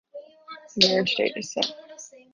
The marriage date is set.